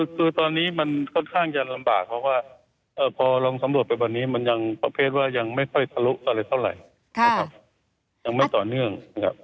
คือตอนนี้มันค่อนข้างจะลำบากเพราะว่าพอลองสำรวจไปวันนี้มันยังประเภทว่ายังไม่ค่อยทะลุอะไรเท่าไหร่นะครับยังไม่ต่อเนื่องนะครับ